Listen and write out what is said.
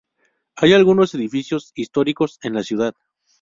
Hay algunos edificios históricos en la ciudad.